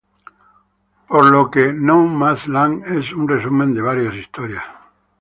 Por lo que "No Man's Land" es un resumen de varias historias.